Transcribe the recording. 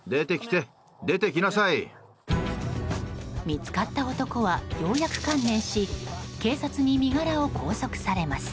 見つかった男はようやく観念し警察に身柄を拘束されます。